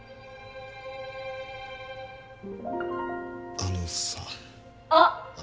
あのさあっ